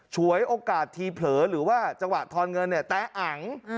ฉวยโอกาสทีเผลอหรือว่าจังหวะทอนเงินเนี่ยแตะอัง